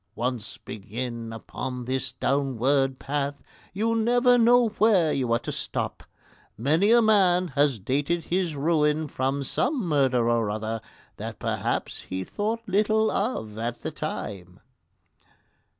Once begin upon this downward path, you never know where you are to stop. Many a man has dated his ruin from some murder or other that perhaps he thought little of at the time.